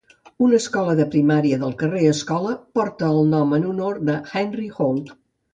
Una escola de primària del carrer Escola porta el nom en honor a Henry Holt.